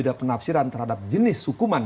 ada perbedaan penapsiran terhadap jenis hukuman